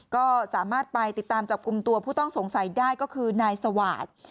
ก็สามารถไปติดตามจับกลุ่มตัวผู้ต้องสงสัยได้ก็คือนายสวาส